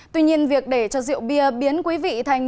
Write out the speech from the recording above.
tuy nhiên việc để cho rượu bia biến quý vị thành những hành vi tội phạm